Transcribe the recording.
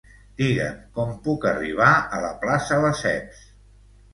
Digue'm com puc arribar a la Plaça Lesseps.